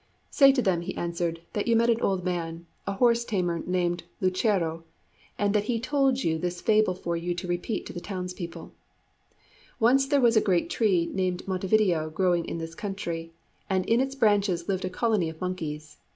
"Say to them," he answered, "that you met an old man a horse tamer named Lucero and that he told you this fable for you to repeat to the townspeople: Once there was a great tree named Montevideo growing in this country, and in its branches lived a colony of monkeys.